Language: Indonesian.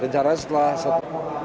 rencana setelah setelah